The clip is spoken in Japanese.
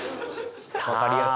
分かりやすい。